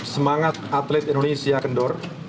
semangat atlet indonesia kendor